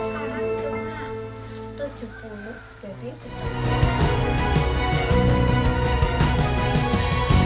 berganti menjadi lebih kuat